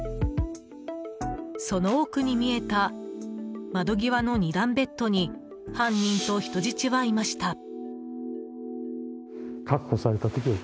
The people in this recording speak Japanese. その奥に見えた窓際の２段ベッドに犯人と人質はいました。